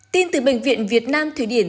tin từ bệnh viện việt nam thụy điển